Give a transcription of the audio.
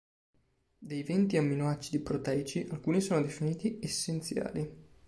Dei venti amminoacidi proteici, alcuni sono definiti "essenziali".